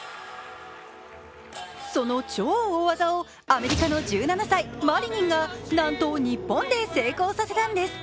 その超大技をアメリカの１７歳、マリリンがなんと日本で成功させたんです。